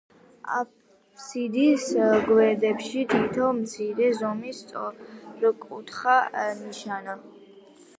აფსიდის გვერდებში თითო მცირე ზომის სწორკუთხა ნიშაა.